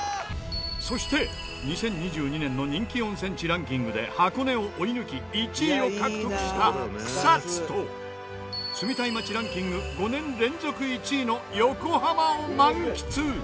そして２０２２年の人気温泉地ランキングで箱根を追い抜き１位を獲得した草津と住みたい街ランキング５年連続１位の横浜を満喫！